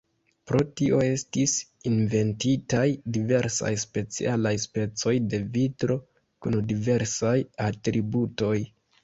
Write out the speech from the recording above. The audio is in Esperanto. Pro tio estis inventitaj diversaj specialaj specoj de vitro kun diversaj atributoj.